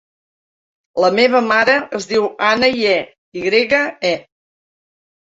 La meva mare es diu Anna Ye: i grega, e.